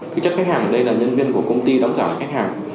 thực chất khách hàng ở đây là nhân viên của công ty đóng giảm khách hàng